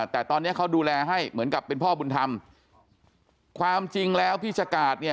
แต่ตอนนี้เขาดูแลให้เหมือนกับเป็นพ่อบุญธรรมความจริงแล้วพี่ชะกาดเนี่ย